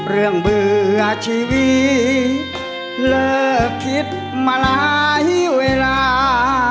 เรื่องเบื่อชีวิตเลิกคิดมาหลายเวลา